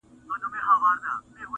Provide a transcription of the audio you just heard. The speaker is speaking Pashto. له هغه ځایه را کوز پر یوه بام سو -